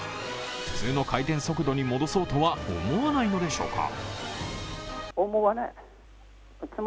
普通の回転速度に戻そうとは思わないのでしょうか？